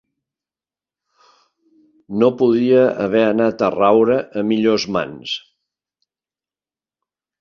No podia haver anat a raure a millors mans.